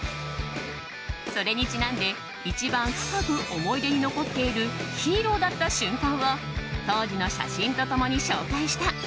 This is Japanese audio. それにちなんで一番深く思い出に残っているヒーローだった瞬間を当時の写真と共に紹介した。